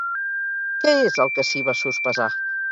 Què és el que sí va sospesar?